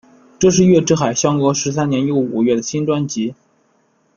这是月之海相隔十三年又五个月的新专辑。